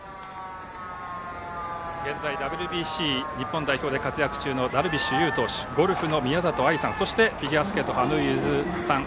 現在ＷＢＣ日本代表で活躍中のダルビッシュ有投手ゴルフの宮里藍さんそしてフィギュアスケート羽生結弦さん。